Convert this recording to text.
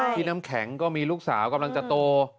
น้ำแข็งก็มีลูกสาวกำลังจะโต